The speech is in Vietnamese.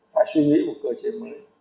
phải suy nghĩ một cơ chế mới